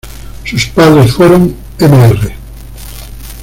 Sus padres fueron Mr.